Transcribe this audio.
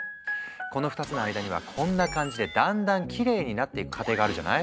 この２つの間にはこんな感じでだんだんきれいになっていく過程があるじゃない？